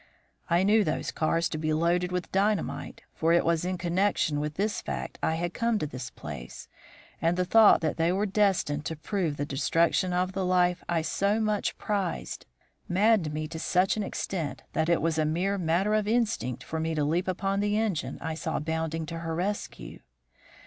I knew those cars to be loaded with dynamite, for it was in connection with this fact I had come to this place, and the thought that they were destined to prove the destruction of the life I so much prized maddened me to such an extent that it was a mere matter of instinct for me to leap upon the engine I saw bounding to her rescue.